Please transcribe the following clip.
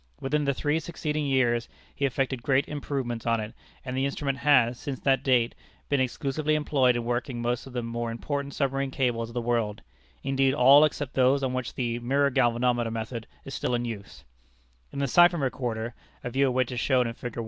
Within the three succeeding years he effected great improvements on it, and the instrument has, since that date, been exclusively employed in working most of the more important submarine cables of the world indeed all except those on which the Mirror Galvanometer method is still in use. [Illustration: FIG. 1.] In the Siphon Recorder (a view of which is shown in Fig.